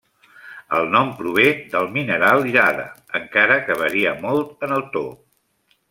El nom prové del mineral jade, encara que varia molt en el to.